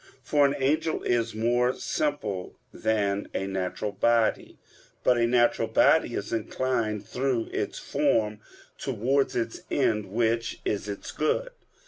For an angel is more simple than a natural body. But a natural body is inclined through its form towards its end, which is its good.